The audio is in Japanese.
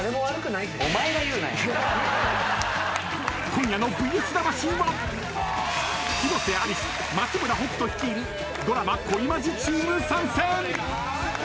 今夜の「ＶＳ魂」は広瀬アリス、松村北斗率いるドラマ「恋マジ」チーム参戦！